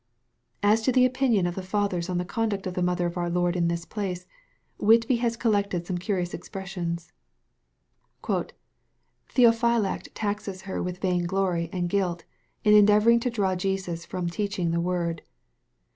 As to the opinion of the Fathers on the conduct of the mother of oui Lord in this place, Whitby has collected some curious expres sions :" Theophylact taxes her with vain glory and guilt, in en deavoring to draw Jesus from teaching the word.